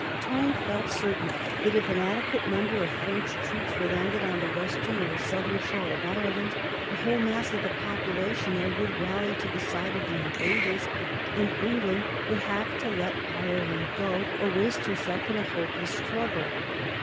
Tone felt certain that if an adequate number of French troops were landed on the western or southern shore of Ireland the whole mass of the population there would rally to the side of the invaders, and England would have to let Ireland go or waste herself in a hopeless struggle.